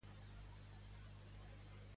Qui va ser Alcàmenes?